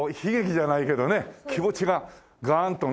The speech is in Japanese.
気持ちがガーンとね。